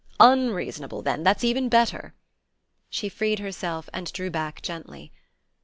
"Unreasonable, then! That's even better." She freed herself, and drew back gently.